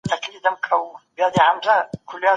اجازه ده چي مرسته وغواړي.